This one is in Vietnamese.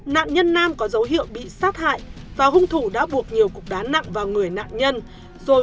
nạn nhân nam có dấu hiệu bị sát hại và hung thủ đã buộc nhiều cục đá nặng vào người nạn nhân rồi